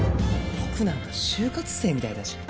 僕なんか就活生みたいだし。